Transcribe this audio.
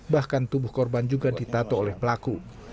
bahkan tubuh korban juga ditato oleh pelaku